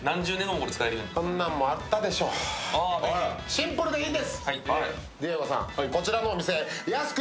シンプルでいいんです。